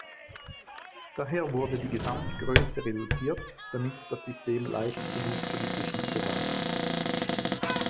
Daher wurde die Gesamtgröße reduziert, damit das System leicht genug für diese Schiffe war.